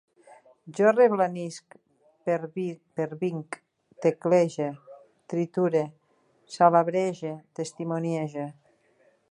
Jo reblanisc, pervinc, teclege, triture, salabrege, testimoniege